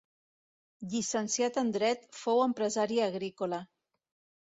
Llicenciat en Dret, fou empresari agrícola.